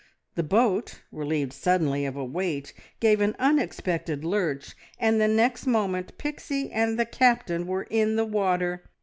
The boat, relieved suddenly of a weight, gave an unexpected lurch, and the next moment Pixie and the Captain were in the water.